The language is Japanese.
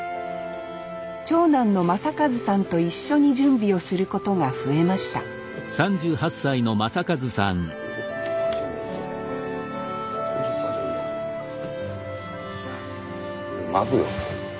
長男の将和さんと一緒に準備をすることが増えました巻くよ。